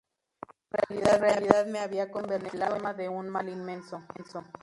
En realidad me había convertido en el arma de un mal inmenso.